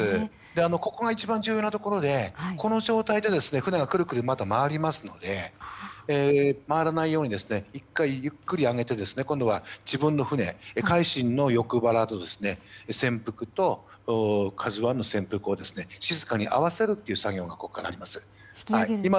ここが一番重要なところでこの状態で、船がまたくるくると回りますので回らないように１回ゆっくりと上げて今度は自分の船「海進」の横腹、船腹と「ＫＡＺＵ１」の船腹を静かに合わせるという作業がここからありますね。